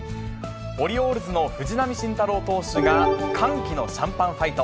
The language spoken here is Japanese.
オリオールズの藤浪晋太郎投手が歓喜のシャンパンファイト。